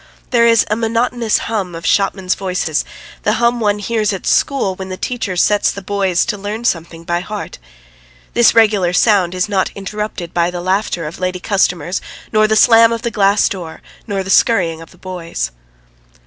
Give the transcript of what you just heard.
There is a monotonous hum of shopmen's voices, the hum one hears at school when the teacher sets the boys to learn something by heart. This regular sound is not interrupted by the laughter of lady customers nor the slam of the glass door, nor the scurrying of the boys.